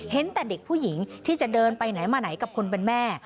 แต่เด็กผู้หญิงที่จะเดินไปไหนมาไหนกับคนเป็นแม่